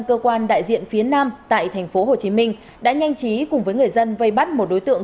cơ quan đại diện phía nam tại tp hcm đã nhanh chí cùng với người dân vây bắt một đối tượng